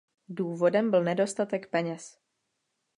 Důvodem byl nedostatek peněz.